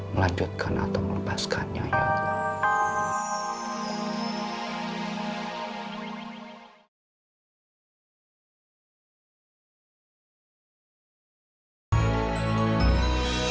melanjutkan atau melepaskannya ya allah